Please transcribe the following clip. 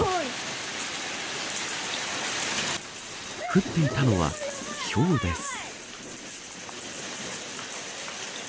降っていたのは、ひょうです。